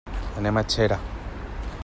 Anem a Xera.